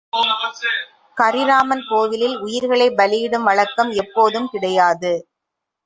கரி ராமன் கோயிலில் உயிர்களைப் பலியிடும் வழக்கம் எப்பொழுதும் கிடையாது.